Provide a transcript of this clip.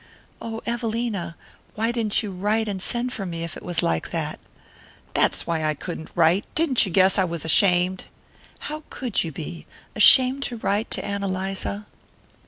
"Oh, Evelina why didn't you write and send for me if it was like that?" "That's why I couldn't write. Didn't you guess I was ashamed?" "How could you be? Ashamed to write to Ann Eliza?"